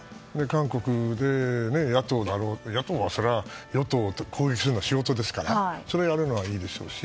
韓国でも、野党はそれは与党を攻撃するのが仕事ですからそれをやるのはいいでしょうし。